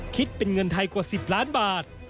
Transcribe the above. คิดเป็นเงินไทยกว่า๑๐ล้านบาท